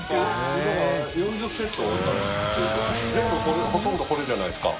全部ほとんどこれじゃないですか。